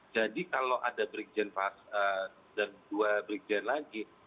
jadi kalau ada brigjen dan dua brigjen lagi